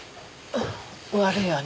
悪いわね。